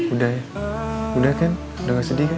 udah ya udah kan udah gak sedih kan